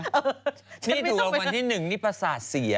นี่ถูกรางวัลที่๑นี่ประสาทเสีย